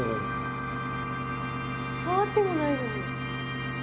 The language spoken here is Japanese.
触ってもないのに。